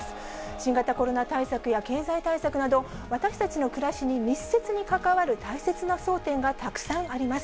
新型コロナ対策や経済対策など、私たちの暮らしに密接に関わる大切な争点がたくさんあります。